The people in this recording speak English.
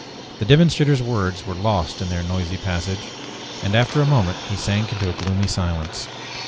The demonstrator's words were lost in their noisy passage, and after a moment he sank into a gloomy silence.